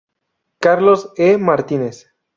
Carlos E. Martínez